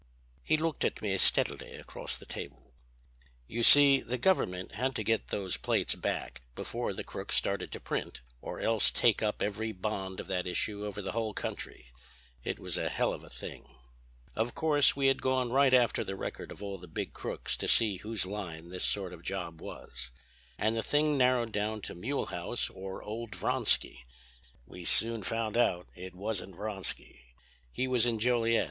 He looked at me steadily across the table. "You see the Government had to get those plates back before the crook started to print, or else take up every bond of that issue over the whole country. It was a hell of a thing! "Of course we had gone right after the record of all the big crooks to see whose line this sort of job was. And the thing narrowed down to Mulehaus or old Vronsky. We soon found out it wasn't Vronsky. He was in Joliet.